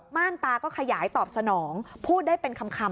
ม่านตาก็ขยายตอบสนองพูดได้เป็นคำ